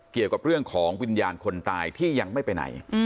เกี่ยวกับเรื่องของวิญญาณคนตายที่ยังไม่ไปไหน